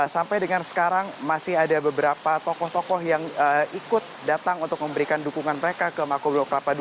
sampai dengan sekarang masih ada beberapa tokoh tokoh yang ikut datang untuk memberikan dukungan mereka ke makobrilo kelapa dua